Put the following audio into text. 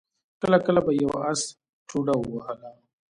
کله کله به يوه آس ټوډه ووهله.